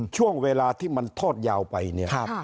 ช่วงเวลาที่มันทอดยาวไปเนี่ย